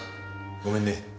ごめんね。